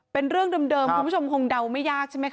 เป็นเรื่องเดิมคุณผู้ชมคงเดาไม่ยากใช่ไหมค